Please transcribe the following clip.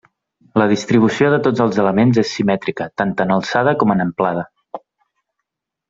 La distribució de tots els elements és simètrica tant en alçada com en amplada.